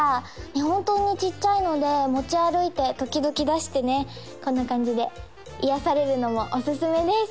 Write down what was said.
本当にちっちゃいので持ち歩いて時々出してねこんな感じで癒やされるのもおすすめです